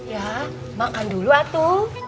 ya makan dulu atu